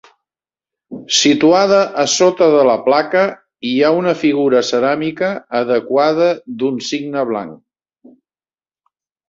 Situada a sota de la placa, hi ha una figura ceràmica adequada d'un cigne blanc.